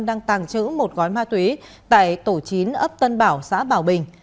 đang tàng trữ một gói ma túy tại tổ chín ấp tân bảo xã bảo bình